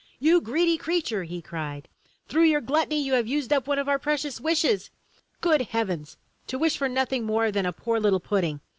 "You greedy creature!" he cried. "Through your gluttony you have used up one of our precious wishes! Good heavens, to wish for nothing more than a poor little pudding!